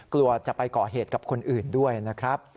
กลัวจะไปก่อเหตุกับคนอื่นด้วยนะครับ